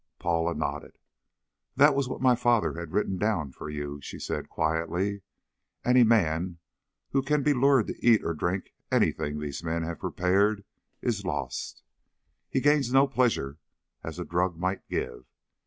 Paula nodded. "That was what my father had written down for you," she said quietly. "Any man who can be lured to eat or drink anything these men have prepared is lost. He gains no pleasure, as a drug might give.